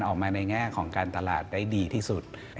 ออกมาในแง่ของการตลาดได้ดีที่สุด